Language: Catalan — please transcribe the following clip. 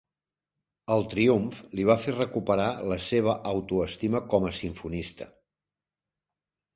El triomf li va fer recuperar la seua autoestima com a simfonista.